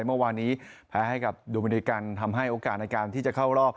เมื่อวานนี้แพ้ให้กับโดมิริกันทำให้โอกาสในการที่จะเข้ารอบ